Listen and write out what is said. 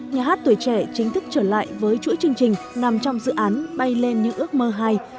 nhà hát tuổi trẻ chính thức trở lại với chuỗi chương trình nằm trong dự án bay lên những ước mơ hay